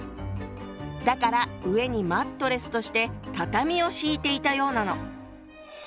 だから上にマットレスとして畳を敷いていたようなの。